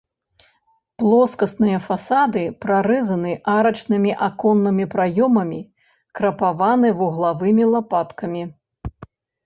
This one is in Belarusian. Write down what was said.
Плоскасныя фасады прарэзаны арачнымі аконнымі праёмамі, крапаваны вуглавымі лапаткамі.